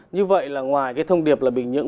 như vậy là ngoài cái thông điệp là bình nhưỡ